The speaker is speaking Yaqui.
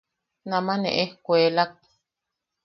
Nama ne ejkuelak.